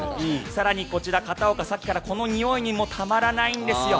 更にこちら、片岡、さっきからこのにおいにもたまらないんです。